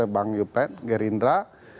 bang yupen gerindra